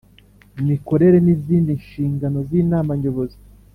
Imikorere n izindi nshingano z Inama Nyobozi